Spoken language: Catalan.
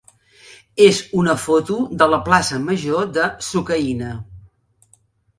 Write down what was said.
és una foto de la plaça major de Sucaina.